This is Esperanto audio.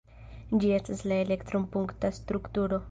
Ĝi estas la elektron-punkta strukturo.